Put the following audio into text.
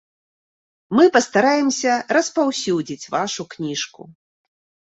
Мы пастараемся распаўсюдзіць вашу кніжку.